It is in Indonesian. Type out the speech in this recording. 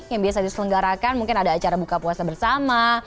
yang biasa diselenggarakan mungkin ada acara buka puasa bersama